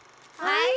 はい！